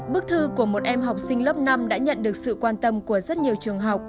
bức thư của một em học sinh lớp năm đã nhận được sự quan tâm của rất nhiều trường học